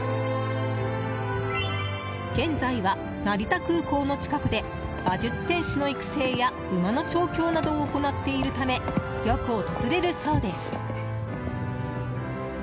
現在は成田空港の近くで馬術選手の育成や馬の調教などを行っているためよく訪れるそうです。